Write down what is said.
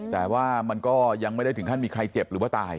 แต่ว่ามันก็ยังไม่ได้ถึงขั้นมีใครเจ็บหรือว่าตาย